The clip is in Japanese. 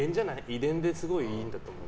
遺伝ですごいいいんだと思う。